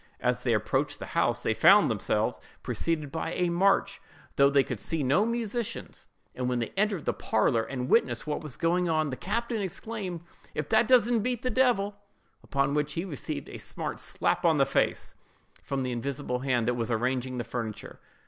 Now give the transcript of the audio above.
As they approached the house, they found themselves preceded by a march, though they could see no musicians; and when they entered the parlor and witnessed what was going on, the captain exclaimed: "If that doesn't beat the devil!" upon which he received a smart slap on the face, from the invisible hand that was arranging the furniture.